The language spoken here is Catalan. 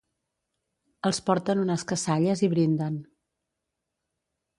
Els porten unes cassalles i brinden.